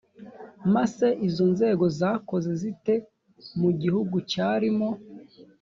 masseizo nzego zakoze zite mu gihugu cyarimo